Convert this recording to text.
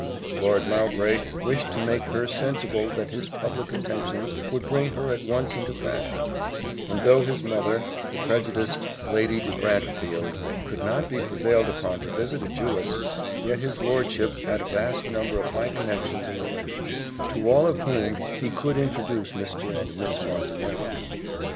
Lord Mowbray wished to make her sensible that his public attentions would bring her at once into fashion; and though his mother, the prejudiced Lady De Brantefield, could not be prevailed upon to visit a Jewess, yet his lordship had a vast number of high connexions and relations, to all of whom he could introduce Mr. and Miss Montenero.